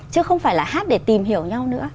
chứ không phải là hát để tìm hiểu nhau nữa